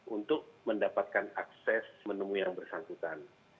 untuk mendapatkan akses menemui yang bersangkutan